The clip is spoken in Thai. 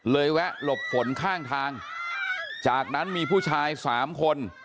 แวะหลบฝนข้างทางจากนั้นมีผู้ชายสามคน